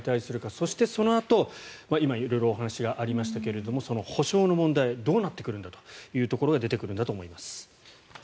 そしてそのあと今、色々お話がありましたけれど補償の問題どうなってくるんだというのが出てくるんだと思います。